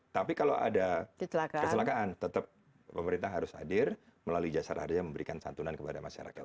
tapi kalau ada kecelakaan tetap pemerintah harus hadir melalui jasara harja memberikan santunan kepada masyarakat